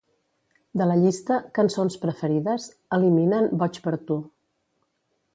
De la llista "cançons preferides" elimina'n "Boig per tu".